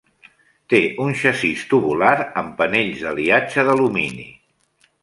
Té un xassís tubular amb panells d'aliatge d'alumini.